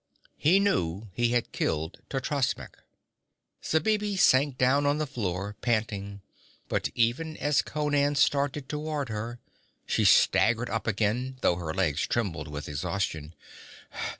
He knew he had killed Totrasmek. Zabibi sank down on the floor, panting, but even as Conan started toward her, she staggered up again, though her legs trembled with exhaustion.